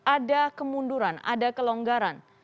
ada kemunduran ada kelonggaran